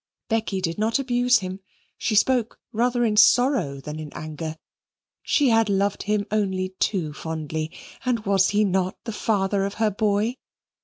(Becky did not abuse him. She spoke rather in sorrow than in anger. She had loved him only too fondly: and was he not the father of her boy?)